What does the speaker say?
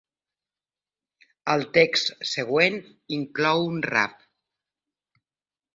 El text següent inclou un rap.